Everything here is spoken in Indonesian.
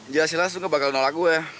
jelas jelas lo gak bakal nolak gue